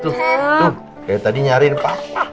tuh tuh tuh tadi nyariin papa